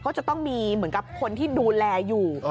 ก็จะต้องมีเหมือนกับคนที่ดูแลอยู่